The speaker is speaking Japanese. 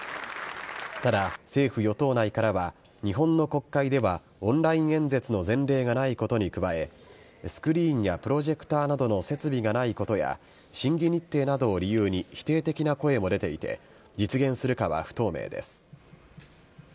ただ、政府・与党内からは、日本の国会では、オンライン演説の前例がないことに加え、スクリーンやプロジェクターなどの設備がないことや、審議日程などを理由に否定的な声も出ていて、実現するかは不透明です。